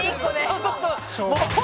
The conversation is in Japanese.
そうそうそう。